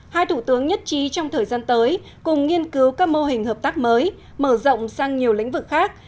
hai thủ tướng nhất trí trong thời gian tới cùng nghiên cứu các mô hình hợp tác mới mở rộng sang nhiều lĩnh vực khác